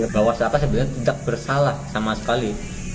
bahwa siapa sebenarnya tidak bersalah sama sekali